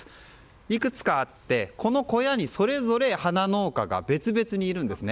いくつかあって、この小屋にそれぞれ花農家が別々にいるんですね。